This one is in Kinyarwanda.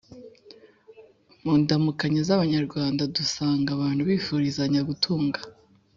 mu ndamukanyo z’abanyarwanda dusanga abantu bifurizanya gutunga